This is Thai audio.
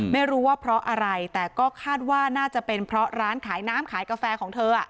ไม่รู้ว่าเพราะอะไรแต่ก็คาดว่าน่าจะเป็นเพราะร้านขายน้ำขายกาแฟของเธอ